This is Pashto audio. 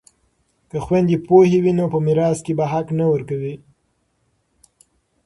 که خویندې پوهې وي نو په میراث کې به حق نه ورکوي.